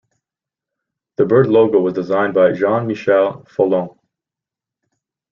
The bird logo was designed by Jean-Michel Folon.